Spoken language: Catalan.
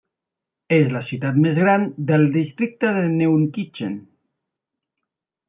És la ciutat més gran del districte de Neunkirchen.